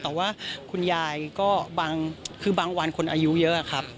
แต่ว่าคุณยายก็คือบางวันคนอายุเยอะครับ